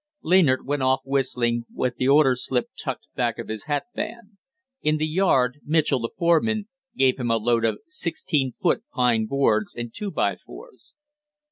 Leanard went off whistling, with the order slip tucked back of his hatband. In the yard, Mitchell the foreman, gave him a load "of sixteen foot" pine boards and "two by fours".